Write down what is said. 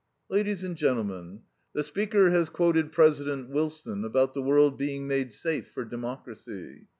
"Ladies and gentlemen. The speaker has quoted President Wilson about the world being made safe for democracy.